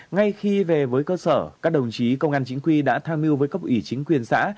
ngay khi về với cơ sở các đồng chí công an chính quy đã tham mưu với cấp ủy chính quyền xã